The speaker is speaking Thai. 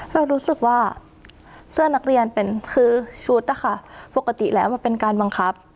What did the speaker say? รู้สึกว่าเสื้อนักเรียนเป็นคือชุดนะคะปกติแล้วมันเป็นการบังคับ